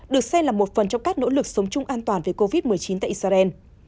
được xem là một phần trong các nỗ lực sống chung an toàn về covid một mươi chín tại israel